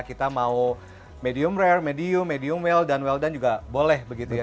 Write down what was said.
kita mau medium rare medium medium well dan well done juga boleh begitu ya